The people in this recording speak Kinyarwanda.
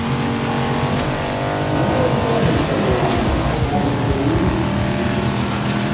Uwahoze ari umugabo wanjye ntagituye muri uyu mujyi.